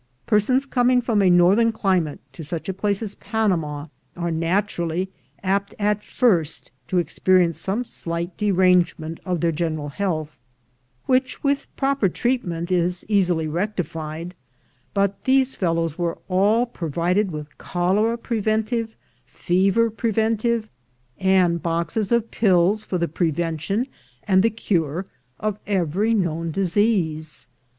Persons coming from a northern climate to such a place as Panama, are natu rally apt at first to experience some slight derange ment of their general health, which, with proper treatment, is easily rectified; but these fellows were ACROSS THE ISTHMUS 43 all provided with cholera preventive, fever preven tive, and boxes of pills for the prevention and the cure of every known disease.